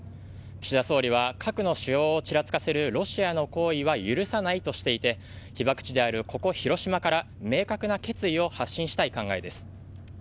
岸田総理は核の使用をちらつかせるロシアの行為は許さないとしていて被爆地であるここ、広島から明確な決意を発信したい考えです。